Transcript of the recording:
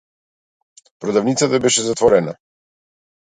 Продавницата беше затворена.